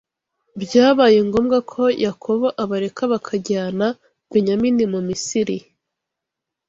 byabaye ngombwa ko Yakobo abareka bakajyana Benyamini mu Misiri